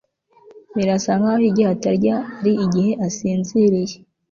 birasa nkaho igihe atarya ari igihe asinziriye